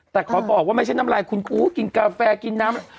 แต่ขอบอกว่าไม่ใช่น้ำลายคุณครูกินกาแฟกินน้ำ